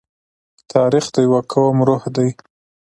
تاریخ د یوه قوم روح دی.